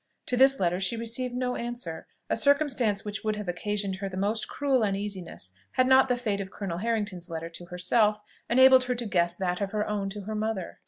To this letter she received no answer; a circumstance which would have occasioned her the most cruel uneasiness, had not the fate of Colonel Harrington's letter to herself enabled her to guess that of her own to her mother.